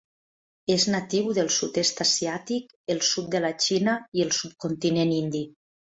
És natiu del sud-est asiàtic, el sud de la Xina i el subcontinent indi.